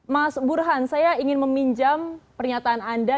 mas burhan saya ingin meminjam pernyataan anda